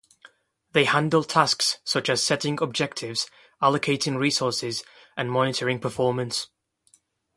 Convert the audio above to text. They handle tasks such as setting objectives, allocating resources, and monitoring performance.